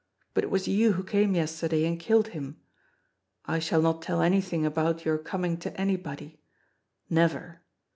But it was you who came yesterday and killed him. I shall not tell anything about your coming to anybody. Never.